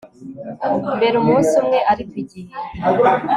mbere umunsi umwe ariko igihe